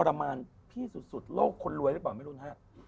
รมานพี่สุดโลกคนรวยหรือเปล่าไม่รู้นะฮะ